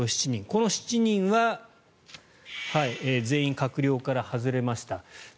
この７人は全員閣僚から外れました。